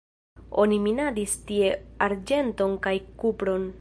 Oni minadis tie arĝenton kaj kupron.